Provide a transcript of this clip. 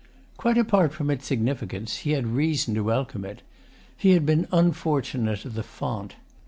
Quite apart from its significance, he had reason to welcome it. He had been unfortunate at the font.